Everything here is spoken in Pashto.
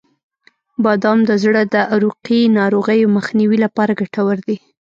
• بادام د زړه د عروقی ناروغیو مخنیوي لپاره ګټور دي.